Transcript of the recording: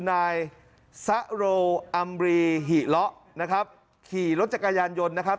นายซะโรอัมรีหิเลาะนะครับขี่รถจักรยานยนต์นะครับ